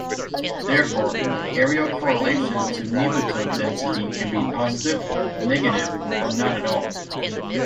Therefore, aerial correlations to nematode density can be positive, negative or not at all.